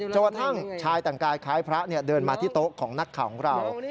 กระทั่งชายแต่งกายคล้ายพระเดินมาที่โต๊ะของนักข่าวของเรา